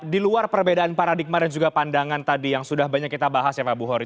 di luar perbedaan paradigma dan juga pandangan tadi yang sudah banyak kita bahas ya pak buhori